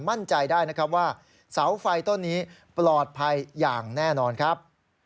มั่นใจได้นะครับว่าเสาไฟต้นนี้ปลอดภัยอย่างแน่นอนครับ